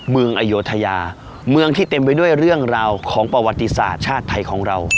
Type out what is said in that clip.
เมืองอโยธยาเมืองที่เต็มไปด้วยเรื่องราวของประวัติศาสตร์ชาติไทยของเรา